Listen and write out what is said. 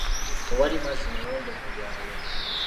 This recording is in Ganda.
Tewali mazzi mayonjo mu byalo.